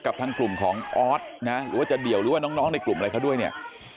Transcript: กับทางกลุ่มของออสนะหรือว่าจะเดี่ยวหรือว่าน้องในกลุ่มอะไรเขาด้วยเนี่ย